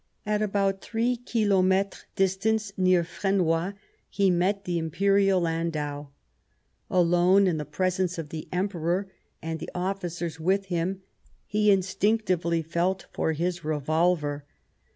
At about three kilometres distance, near Frenois, he met the Imperial landau. Alone in the pre sence of the Emperor and the ofticers with him, he instinctively felt for his revolver.